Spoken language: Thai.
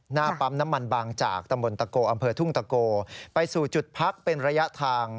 หน้าปั๊มน้ำมันบางจากตำบลตะโกอำเภอทุ่งตะโกไปสู่จุดพักเป็นระยะทาง